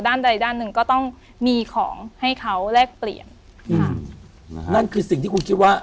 ด้านใดด้านหนึ่งก็ต้องมีของให้เขาแลกเปลี่ยนค่ะนั่นคือสิ่งที่คุณคิดว่า